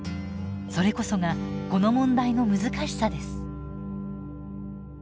それこそがこの問題の難しさです。